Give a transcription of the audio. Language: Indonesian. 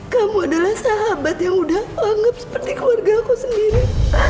kamu adalah sahabat yang udah anggap seperti keluarga aku sendiri